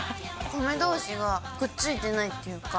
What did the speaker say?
米どうしがくっついてないっていうか。